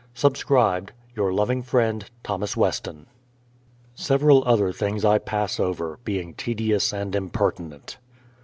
Subscribed, Your loving friend, THOS. WESTON. Several other things I pass over, being tedious and im pertinent.